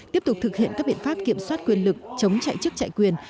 tiếp tục thực hiện các biện pháp kiểm soát quyền lực chống chạy chức chạy quyền